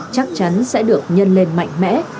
chắc chắn sẽ được nhân lên mạnh mẽ